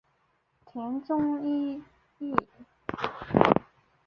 田中义一。